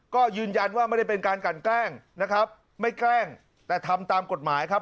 ก็ยืนยันว่าไม่ได้เป็นการกันแกล้งนะครับไม่แกล้งแต่ทำตามกฎหมายครับ